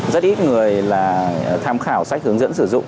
rất ít người là tham khảo sách hướng dẫn sử dụng